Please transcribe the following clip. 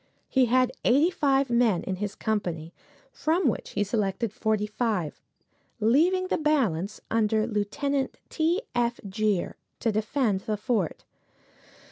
He had eighty five men in his company, from which he selected forty five, leaving the balance, under Lieut. T. F. Gere, to defend the fort.